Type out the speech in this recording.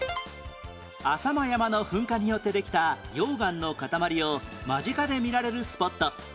浅間山の噴火によってできた溶岩の塊を間近で見られるスポット